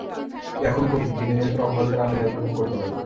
ইহা খুবই কঠিন, কিন্তু নিরন্তর অভ্যাস দ্বারা আমরা ইহা অতিক্রম করিতে পারি।